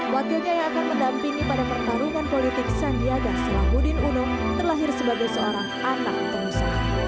wakilnya yang akan mendampingi pada pertarungan politik sandiaga salahuddin uno terlahir sebagai seorang anak pengusaha